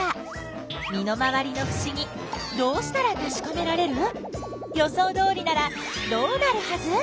身の回りのふしぎどうしたらたしかめられる？予想どおりならどうなるはず？